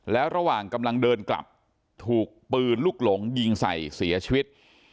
แล้วระหว่างกำลังเดินกลับถูกปืนลูกหลงยิงใส่เสียชีวิต